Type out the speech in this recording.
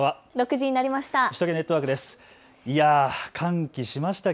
６時になりました。